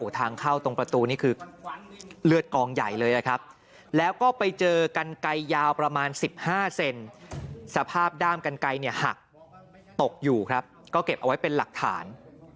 ทางเข้าตรงประตูนี่คือเลือดกองใหญ่เลยนะครับแล้วก็ไปเจอกันไกลยาวประมาณ๑๕เซนสภาพด้ามกันไกลเนี่ยหักตกอยู่ครับก็เก็บเอาไว้เป็นหลักฐาน